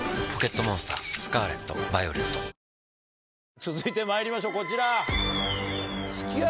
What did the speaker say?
続いてまいりましょうこちら。